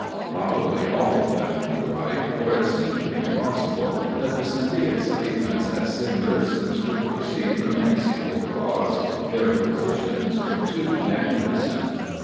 Probably all of them were right, for it seemed impossible that the Sunday excitements at Sim Ripson's could proceed from any single cause their proportions were too magnificent.